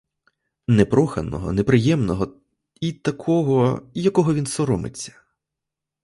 Непроханого, неприємного і такого, якого він соромиться.